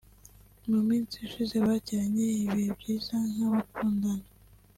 mu minsi ishize bagiranye ibihe byiza nk’abakundana